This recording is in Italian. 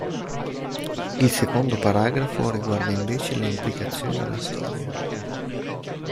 Il secondo paragrafo riguarda invece le implicazioni della storia.